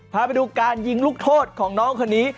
พาไปดูการยิงลูกโทษของน้องคนนี้